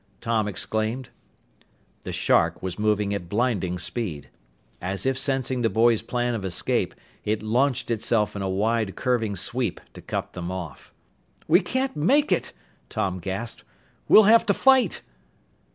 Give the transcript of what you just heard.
Tom exclaimed. The shark was moving at blinding speed. As if sensing the boys' plan of escape, it launched itself in a wide curving sweep to cut them off. "We can't make it!" Tom gasped. "We'll have to fight!"